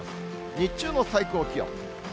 日中の最高気温。